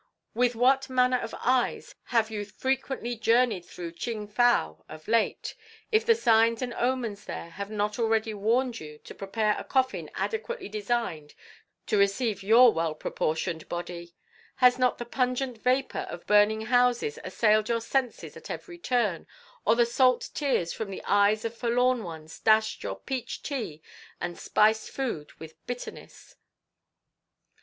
With what manner of eyes have you frequently journeyed through Ching fow of late, if the signs and omens there have not already warned you to prepare a coffin adequately designed to receive your well proportioned body? Has not the pungent vapour of burning houses assailed your senses at every turn, or the salt tears from the eyes of forlorn ones dashed your peach tea and spiced foods with bitterness?"